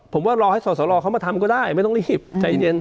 ผมว่ารอให้สอสรเขามาทำก็ได้ไม่ต้องรีบใจเย็น